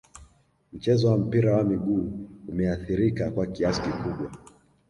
mchezo wa mpira wa miguu umeathirika kwa kiasi kikubwa